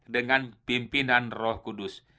dengan pimpinan roh kudus